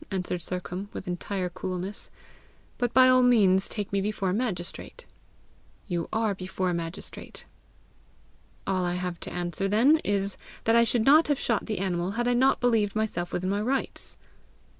answered Sercombe, with entire coolness. "But by all means take me before a magistrate." "You are before a magistrate." "All I have to answer then is, that I should not have shot the animal had I not believed myself within my rights."